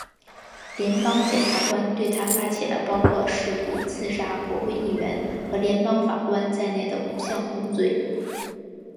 联邦检察官对他发起了包括试图刺杀国会议员和联邦法官在内的五项控罪。